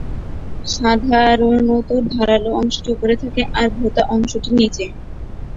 সাধারণত ধারালো অংশটি উপরে থাকে, আর ভোঁতা অংশটি নিচে।